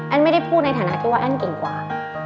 ไม่ได้พูดในฐานะที่ว่าแอ้นเก่งกว่า